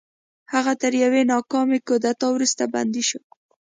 هغه تر یوې ناکامې کودتا وروسته بندي شو.